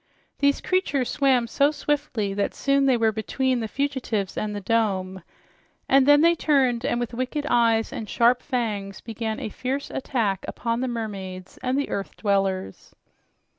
These creatures swam so swiftly that soon they were between the fugitives and the dome, and then they turned and with wicked eyes and sharp fangs began a fierce attack upon the mermaids and the earth dwellers.